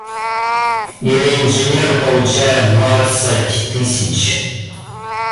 Или инженер получает двадцать тысяч.